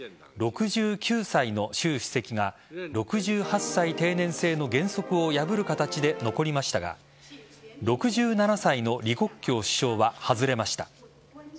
６９歳の習主席が６８歳定年制の原則を破る形で残りましたが６７歳の李克強首相は外れました。